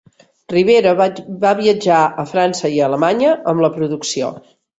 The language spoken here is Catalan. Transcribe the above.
Rivera va viatjar a França i Alemanya amb la producció.